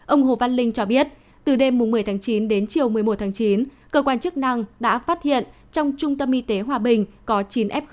ông hồ văn linh cho biết từ đêm một mươi tháng chín đến chiều một mươi một tháng chín cơ quan chức năng đã phát hiện trong trung tâm y tế hòa bình có chín f một